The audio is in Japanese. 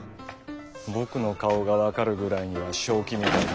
僕の顔が分かるぐらいには正気みたいだな。